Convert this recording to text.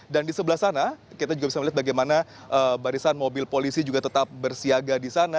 dan di sebelah sana kita juga bisa melihat bagaimana barisan mobil polisi juga tetap bersiaga di sana